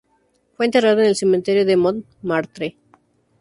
Fue enterrado en el Cementerio de Montmartre.